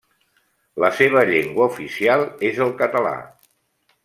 La seva llengua oficial és el català.